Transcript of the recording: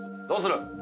どうする？